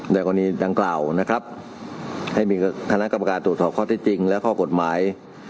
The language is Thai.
กรณีดังกล่าวนะครับให้มีคณะกรรมการตรวจสอบข้อที่จริงและข้อกฎหมาย